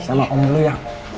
sama om dulu ya